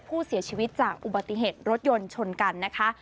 ผู้เสียชีวิตจากอุบัติเหตุรถยนต์ชนกันนะคะ